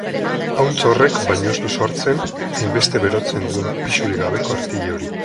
Ahuntz horrek baino ez du sortzen hainbeste berotzen duen pisurik gabeko artile hori.